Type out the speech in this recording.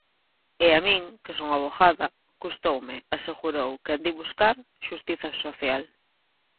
E a min, que son avogada, custoume, asegurou quen di buscar "xustiza social".